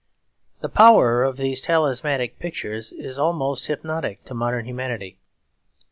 The power of these talismanic pictures is almost hypnotic to modern humanity.